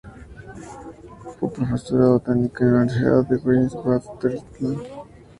Fue profesora de botánica en la Universidad de Witwatersrand, y curadora del Herbario Moss.